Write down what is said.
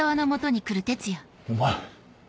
お前。